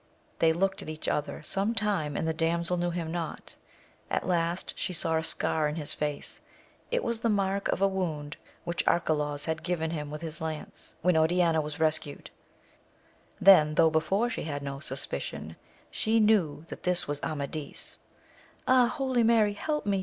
They looked at each other some time, and the damsel knew him not. At last, she saw a scar in his face : it was the mark of a wound which Arcalaus had given him with his lance, when Oriana 1—2 4 AMADIS OF GAUL. was rescued ; then, though before she had no suspicion, she knew that this was Amadis. — Ah, Holy Mary, help me